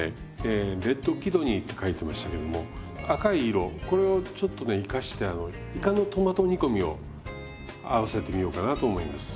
えレッドキドニーって書いてましたけども赤い色これをちょっとね生かしていかのトマト煮込みを合わせてみようかなと思います。